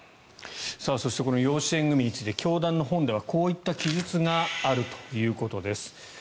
そしてこの養子縁組について教団の本では、こういった記述があるということです。